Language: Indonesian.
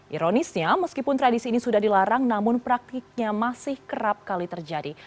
ironisnya meskipun tradisi ini sudah dilarang namun praktiknya masih kerap kali terjadi